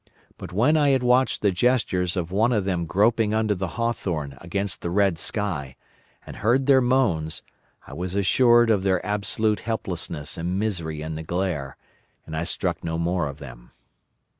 But when I had watched the gestures of one of them groping under the hawthorn against the red sky, and heard their moans, I was assured of their absolute helplessness and misery in the glare, and I struck no more of them.